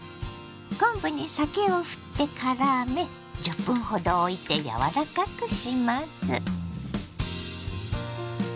昆布に酒をふってからめ１０分ほどおいて柔らかくします。